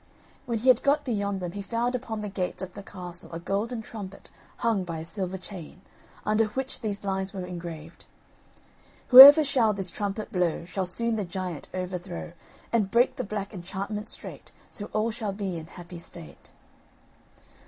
When he had got beyond them, he found upon the gates of the castle a golden trumpet hung by a silver chain, under which these lines were engraved: "Whoever shall this trumpet blow, Shall soon the giant overthrow, And break the black enchantment straight; So all shall be in happy state."